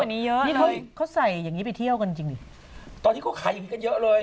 อันนี้เยอะนี่เขาเขาใส่อย่างงี้ไปเที่ยวกันจริงดิตอนนี้เขาขายอย่างงีกันเยอะเลย